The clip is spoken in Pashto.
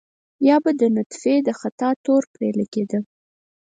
يا به د نطفې د خطا تور پرې لګېده.